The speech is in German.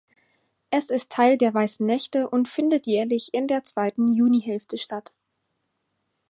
Es ist Teil der Weißen Nächte und findet jährlich in der zweiten Junihälfte statt.